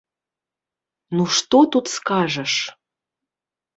Ну што тут скажаш.